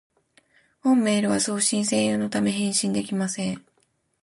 本メールは送信専用のため、返信できません